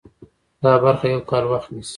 دا برخه یو کال وخت نیسي.